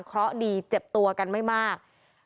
เพราะดีเจ็บตัวกันไม่มาก